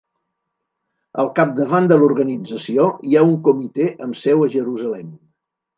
Al capdavant de l'organització hi ha un comitè amb seu a Jerusalem.